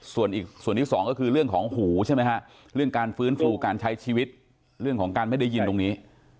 ส่วนอีกส่วนที่สองก็คือเรื่องของหูใช่ไหมฮะเรื่องการฟื้นฟูการใช้ชีวิตเรื่องของการไม่ได้ยินตรงนี้